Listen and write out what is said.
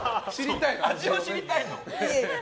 味を知りたいの！